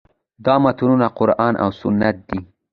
دا متنونه قران او سنت دي.